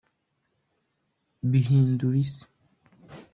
bihindura isi